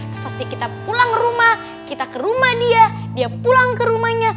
terus kita pulang rumah kita ke rumah dia dia pulang ke rumahnya